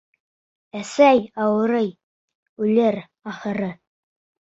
— Әсәй ауырый, үлер, ахыры...